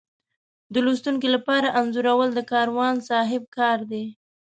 د لوستونکي لپاره انځورول د کاروان صاحب کار دی.